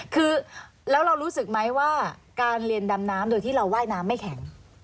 คือแล้วเรารู้สึกไหมว่าการเรียนดำน้ำโดยที่เราว่ายน้ำไม่แข็ง